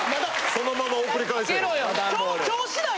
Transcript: そのまま送り返しゃいい。